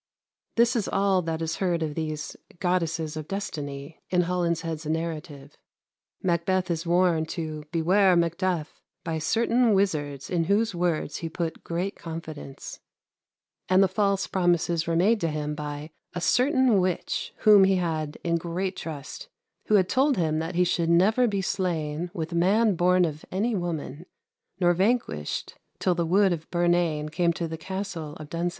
" This is all that is heard of these "goddesses of Destinie" in Holinshed's narrative. Macbeth is warned to "beware Macduff" by "certeine wizzards, in whose words he put great confidence;" and the false promises were made to him by "a certeine witch, whome he had in great trust, (who) had told him that he should neuer be slaine with man borne of anie woman, nor vanquished till the wood of Bernane came to the castell of Dunsinane."